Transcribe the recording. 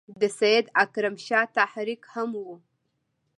د سید اکبر شاه تحریک هم وو.